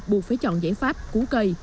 buộc phải chọn giải pháp cú cây